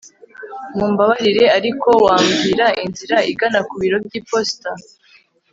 Mumbabarire ariko wambwira inzira igana ku biro byiposita